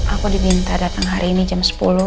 aku diminta datang hari ini jam sepuluh